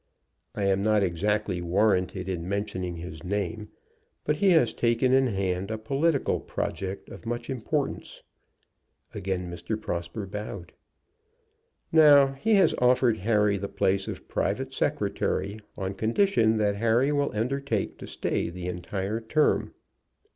I am not exactly warranted in mentioning his name, but he has taken in hand a political project of much importance." Again Mr. Prosper bowed. "Now he has offered Harry the place of private secretary, on condition that Harry will undertake to stay the entire term.